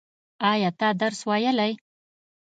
ایا ته درس ویلی؟